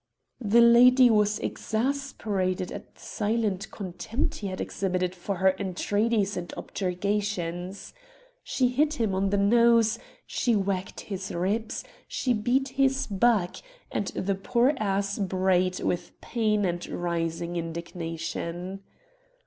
The lady was exasperated at the silent contempt he had exhibited for her entreaties and objurgations. She hit him on the nose, she whacked his ribs, she beat his back, and the poor ass brayed with pain and rising indignation.